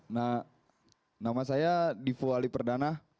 nah nama saya divo ali perdana